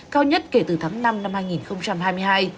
cao nhất kể từ tháng năm năm hai nghìn hai mươi hai